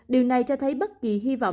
điều này cho thấy bất kỳ hy vọng